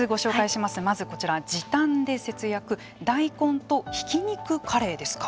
まず、こちら時短で節約大根とひき肉カレーですか。